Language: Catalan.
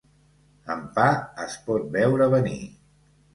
Amb pa es pot veure venir.